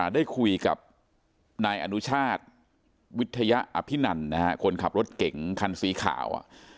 ได้คุยกับนายอนุชาติวิทยาอภินันนะฮะคนขับรถเก๋งคันสีขาว